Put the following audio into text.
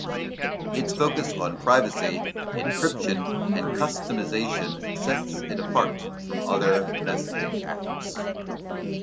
Its focus on privacy, encryption, and customization sets it apart from other messaging apps.